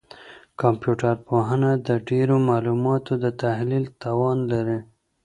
کمپيوټر پوهنه د ډېرو معلوماتو د تحلیل توان لري.